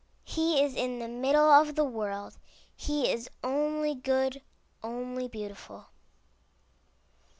He is in the middle of the world. He is only good, only beautiful.